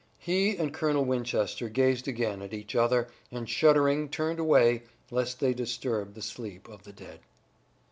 He and Colonel Winchester gazed again at each other and shuddering turned away lest they disturb the sleep of the dead.